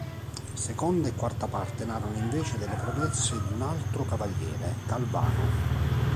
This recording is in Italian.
Seconda e quarta parte narrano invece delle prodezze di un altro cavaliere, Galvano.